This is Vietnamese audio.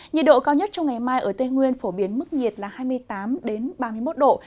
nhiệt độ cao nhất trong ngày mai ở tây nguyên phổ biến mức nhiệt là hai mươi tám ba mươi một độ